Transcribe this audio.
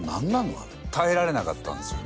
あれ耐えられなかったんですよね